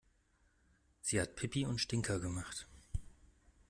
Sie hat Pipi und Stinker gemacht.